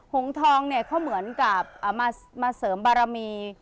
หงษ์ทองเขาเหมือนกับมาเสริมบารมี